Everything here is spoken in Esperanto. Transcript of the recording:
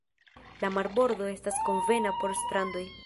La marbordo estas konvena por strandoj.